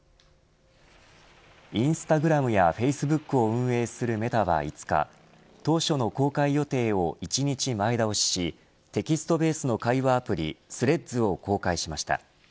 インスタグラムやフェイスブックを運営するメタは５日当初の公開予定を１日前倒ししテキストベースの会話アプリスレッズを公開しました。